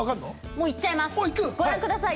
もういっちゃいますご覧ください